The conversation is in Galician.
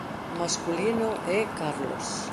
O masculino é Carlos.